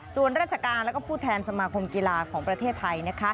ส่วนราชการและผู้แทนสมาคมกีฬาของประเทศไทย